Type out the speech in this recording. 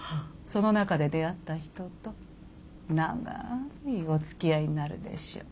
その中で出会った人と長いおつきあいになるでしょう。